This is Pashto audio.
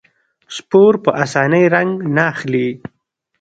سپور په اسانۍ رنګ نه اخلي.